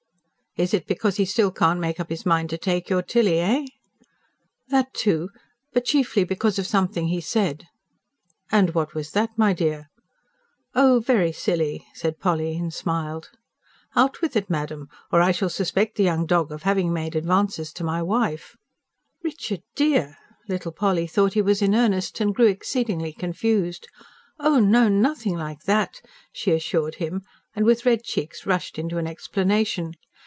"Is it because he still can't make up his mind to take your Tilly eh?" "That, too. But chiefly because of something he said." "And what was that, my dear?" "Oh, very silly," and Polly smiled. "Out with it, madam! Or I shall suspect the young dog of having made advances to my wife." "Richard, DEAR!" Little Polly thought he was in earnest, and grew exceedingly confused. "Oh no, nothing like that," she assured him, and with red cheeks rushed into an explanation.